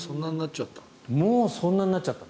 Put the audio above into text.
もうそんなになっちゃった。